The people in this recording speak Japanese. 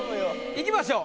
いきましょう。